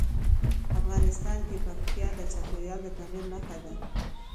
افغانستان کې پکتیا د چاپېریال د تغیر نښه ده.